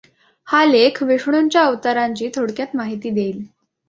हा लेख विष्णूंच्या अवतारांची थोडक्यात माहिती देईल.